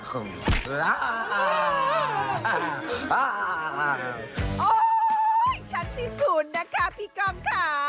โอ้โหชัดที่สุดนะคะพี่ก้องค่ะ